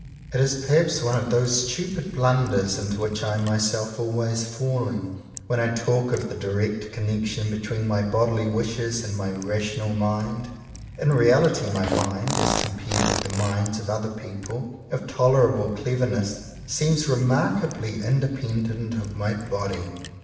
It is perhaps one of those stupid blunders into which I am myself always falling, when I talk of the direct connection between my bodily wishes and my rational mind. In reality my mind, as compared with the minds of other people of tolerable clever ness, seems remarkably independent of my body.